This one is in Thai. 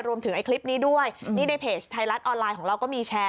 ไอ้คลิปนี้ด้วยนี่ในเพจไทยรัฐออนไลน์ของเราก็มีแชร์